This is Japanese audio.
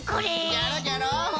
じゃろじゃろ。